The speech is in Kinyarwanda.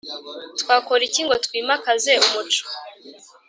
Twakora iki ngo twimakaze umuco